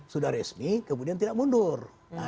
sudah resmi kemudian tidak mundur